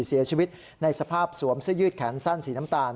เสียชีวิตในสภาพสวมเสื้อยืดแขนสั้นสีน้ำตาล